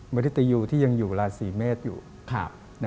บริติอยู่ที่ยังอยู่ราศีเมฆอยู่ครับ